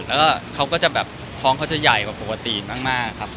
แล้วก็เขาก็จะแบบท้องเขาจะใหญ่กว่าปกติมากครับ